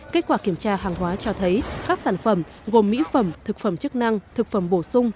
kết quả kiểm tra hàng hóa cho thấy các sản phẩm gồm mỹ phẩm thực phẩm chức năng thực phẩm bổ sung